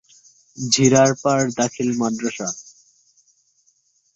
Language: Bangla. ঝিড়ারপাড় দাখিল মাদ্রাসা।